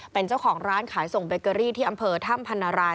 เป็นเจ้าของร้านขายส่งเบเกอรี่ที่อำเภอถ้ำพันราย